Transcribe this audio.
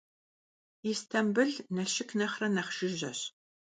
Yistambıl Nalşşık nexhre nexh jjıjeş.